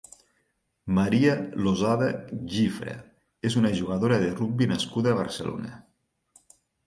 Maria Losada Gifra és una jugadora de rugbi nascuda a Barcelona.